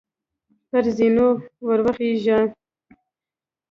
پر زینو وروخیژه !